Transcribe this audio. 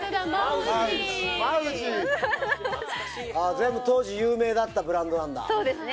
全部当時有名だったブランドなんだそうですね